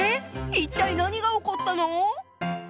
一体何が起こったの？